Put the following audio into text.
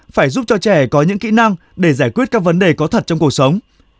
phải giúp cho trẻ có những kỹ năng để giải quyết các vấn đề có thật trong cuộc sống